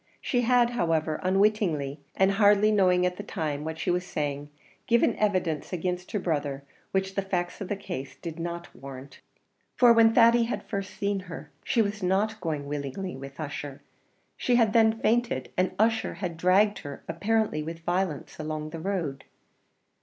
She had, however, unwittingly, and hardly knowing at the time what she was saying, given evidence against her brother which the facts of the case did not warrant. For when Thady had first seen her, she was not going willingly with Ussher; she had then fainted, and Ussher was dragging her, apparently with violence, along the road.